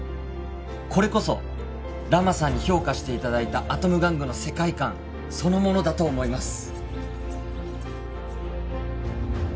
これこそラマさんに評価していただいたアトム玩具の世界観そのものだと思います